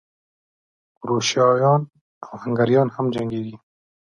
کروشیایان او هنګریایان هم جنګېږي.